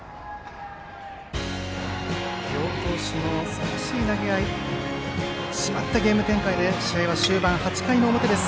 両投手のすばらしい投げ合い締まったゲーム展開で終盤の８回の表です。